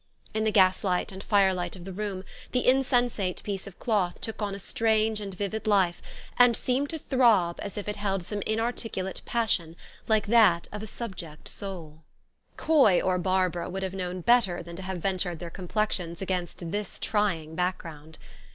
In the gaslight and firelight of the room, the insensate piece of cloth took on a strange and vivid life, and seemed to throb as if it held some inarticulate passion, like that of a subject soul. 14 THE STORY OF AVIS. Coy or Barbara would have kiiown better than to have ventured their complexions against this trying background.